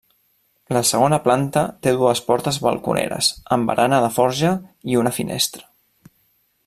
La segona planta té dues portes balconeres amb barana de forja i una finestra.